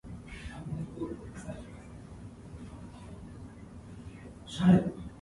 There are apparently no surviving photographs of the grounds.